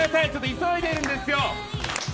急いでるんですよ！